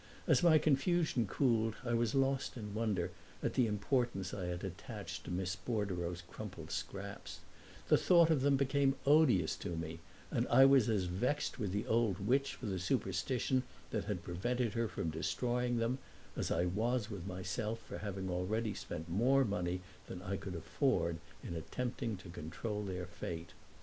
As my confusion cooled I was lost in wonder at the importance I had attached to Miss Bordereau's crumpled scraps; the thought of them became odious to me, and I was as vexed with the old witch for the superstition that had prevented her from destroying them as I was with myself for having already spent more money than I could afford in attempting to control their fate.